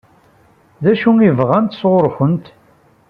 D acu i bɣant sɣur-kent?